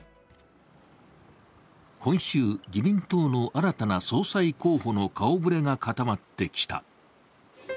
今週、自民党の新たな総裁候補の顔ぶれが固まってきた。